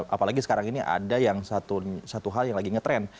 apalagi sekarang ini ada yang satu hal yang lagi ngetrend